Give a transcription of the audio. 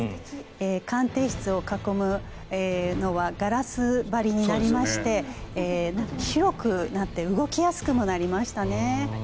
鑑定室を囲むのはガラス張りになりまして広くなって動きやすくもなりましたね。